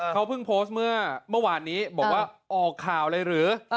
เขาเพิ่งโพสต์เมื่อเมื่อวานนี้บอกว่าออกข่าวเลยหรือ